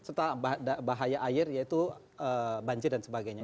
serta bahaya air yaitu banjir dan sebagainya